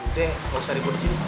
udah nggak usah diburu sini